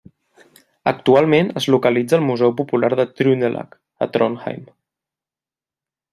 Actualment es localitza al Museu Popular de Trøndelag, a Trondheim.